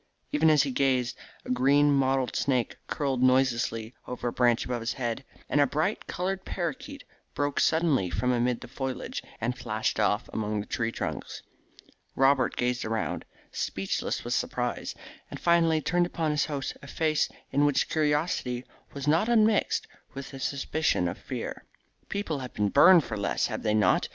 Even as he gazed a green mottled snake curled noiselessly over a branch above his head, and a bright coloured paroquet broke suddenly from amid the foliage and flashed off among the tree trunks. Robert gazed around, speechless with surprise, and finally turned upon his host a face in which curiosity was not un mixed with a suspicion of fear. "People have been burned for less, have they not?"